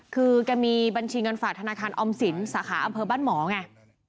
คือแกมีบัญชีเงินฝากธนาคารออมสินสาขาอำเภอบ้านหมอไง